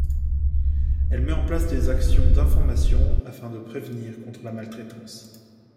Elle met en place des actions d'information afin de prévenir contre la maltraitance.